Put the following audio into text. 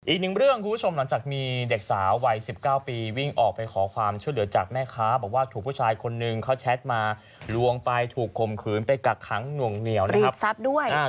อีกหนึ่งเรื่องคุณผู้ชมหลังจากมีเด็กสาววัย๑๙ปีวิ่งออกไปขอความช่วยเหลือจากแม่ค้าบอกว่าถูกผู้ชายคนนึงเขาแชทมาลวงไปถูกข่มขืนไปกักขังหน่วงเหนียวนะครับทรัพย์ด้วย